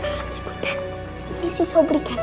ini si sobri kan